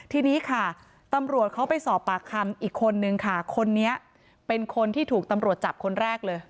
ทีนี้ค่ะตำรวจเขาไปสอบปากคำอีกคนนึงค่ะคนนี้เป็นคนที่ถูกตำรวจจับคนแรกเลย